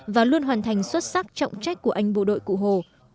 và luôn hoàn thành xuất sắc trọng trách của anh bộ đội cụ hồ